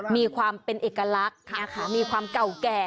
มีความเป็นเอกลักษณ์มีความเก่าแก่